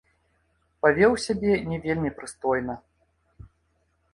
Павёў сябе не вельмі прыстойна.